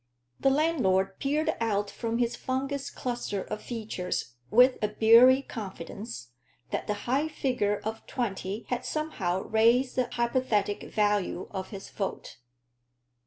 The landlord peered out from his fungous cluster of features with a beery confidence that the high figure of twenty had somehow raised the hypothetic value of his vote.